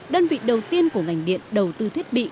đơn vị đầu tiên của ngành điện đầu tư thiết bị